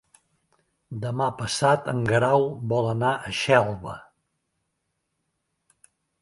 Demà passat en Guerau vol anar a Xelva.